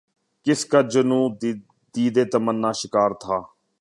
کس کا جنون دید تمنا شکار تھا